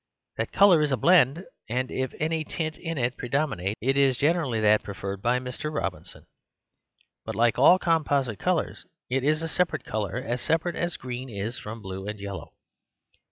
That colour is a blend, and if any tint in it predominate it is gener ally that preferred by Mrs. Robinson. But, 70 The Superstition of Divorce like all composite colours, it is a separate colour; as separate as green is from blue and yellow.